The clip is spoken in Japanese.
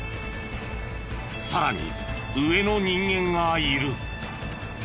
さらに上の人間がいる。